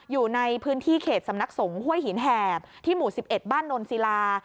อยู่ในพื้นที่เขตสำนักสงฆ์ห้วยหินแหบที่หมู่๑๑บ้านนนศิลา